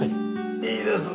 いいですね！